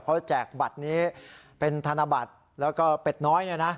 เขาแจกบัตรนี้เป็นธนบัตรแล้วก็เป็ดน้อยเนี่ยนะ